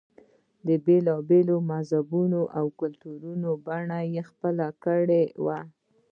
د بېلا بېلو مذهبونو او کلتورونو بڼه یې خپله کړې وه.